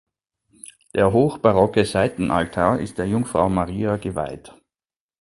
Der hochbarocke Seitenaltar ist der Jungfrau Maria geweiht.